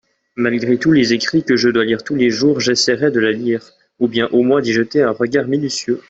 malgré tous les écrits que je dois lire tous les jours j'essaierai de la lire, ou bien au moins d'y jeter un regard minutieux.